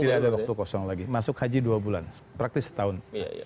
tidak ada waktu kosong lagi masuk haji dua bulan praktis setahun